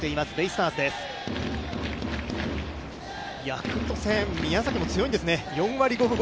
ヤクルト戦、宮崎も強いんですね、４割５分５厘。